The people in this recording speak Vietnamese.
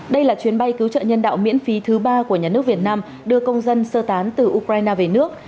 đây là chuyến bay cứu trợ nhân đạo miễn phí thứ ba của nhà nước việt nam đưa công dân sơ tán từ ukraine về nước